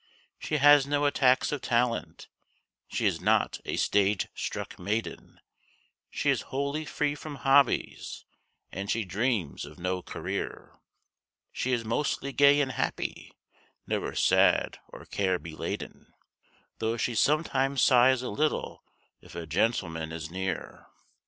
She has no attacks of talent, she is not a stage struck maiden; She is wholly free from hobbies, and she dreams of no "career"; She is mostly gay and happy, never sad or care beladen, Though she sometimes sighs a little if a gentleman is near.